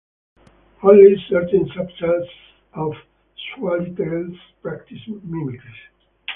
Only certain subsets of swallowtails practice mimicry.